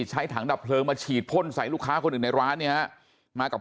ถังดับเพลิงมาฉีดพ่นใส่ลูกค้าคนอื่นในร้านเนี่ยฮะมากับ